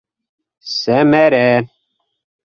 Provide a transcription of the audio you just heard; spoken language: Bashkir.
Сәмәрә!!!